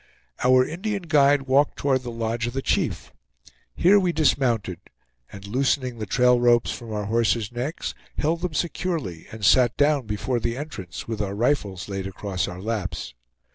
Our Indian guide walked toward the lodge of the chief. Here we dismounted; and loosening the trail ropes from our horses' necks, held them securely, and sat down before the entrance, with our rifles laid across our laps.